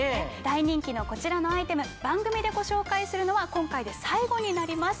大人気のこちらのアイテム番組でご紹介するのは今回で最後になります。